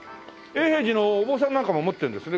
永平寺のお坊さんなんかも持ってるんですね